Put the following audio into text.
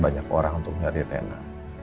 banyak orang untuk nyari rena